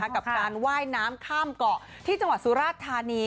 กับการว่ายน้ำข้ามเกาะที่จังหวัดสุราชธานี